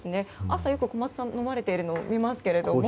朝よく小松さん飲まれているのを見ますけども。